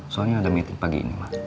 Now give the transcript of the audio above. soalnya ada meeting pagi ini